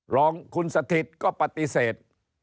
ลองขุนสถิตร์ก็ปฏิเสธ